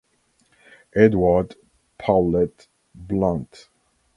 Edward Powlett Blunt.